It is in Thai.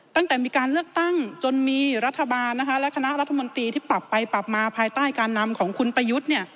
ตั้งแต่มีการเลือกตั้งจนมีรัฐบาลและคณะรัฐมนตรีที่ปรับไปปรับมาภายใต้การนำของคุณประยุทธ์